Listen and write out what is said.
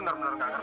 taufan tolong ya